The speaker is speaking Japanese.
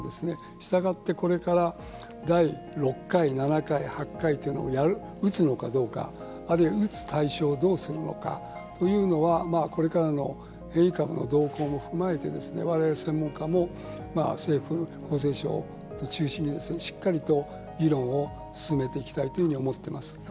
したがって、これから第６回７回、８回というのを打つのかどうかあるいは打つ対象をどうするのかというのはこれからの変異株の動向も踏まえて我々専門家も政府、厚労省を中心にしっかりと議論を進めていきたいというふうに思っています。